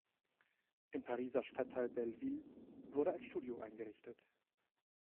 Im Pariser Stadtteil Belleville wurde ein Studio eingerichtet.